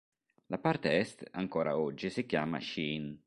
La parte est ancora oggi si chiama Sheen.